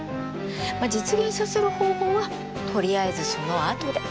まあ実現させる方法は取りあえずそのあとで。